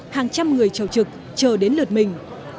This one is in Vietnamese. hàng trăm người trầu trực chờ đến lượt mình